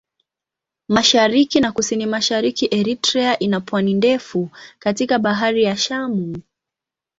Mashariki na Kusini-Mashariki Eritrea ina pwani ndefu katika Bahari ya Shamu.